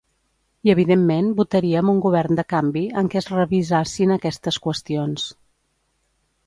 I evidentment votaríem un govern de canvi en què es revisassin aquestes qüestions.